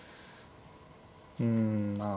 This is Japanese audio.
うんまあ